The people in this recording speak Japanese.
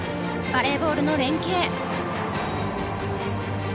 バレーボールの連係。